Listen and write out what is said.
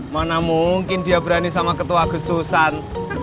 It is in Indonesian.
mana mungkin dia berani sama ketua agus tusan